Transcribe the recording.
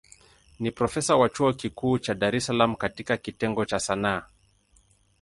Ni profesa wa chuo kikuu cha Dar es Salaam katika kitengo cha Sanaa.